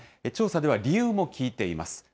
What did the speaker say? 調査では理由も聞いています。